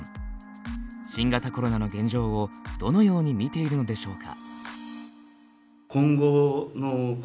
新型コロナの現状をどのように見ているのでしょうか。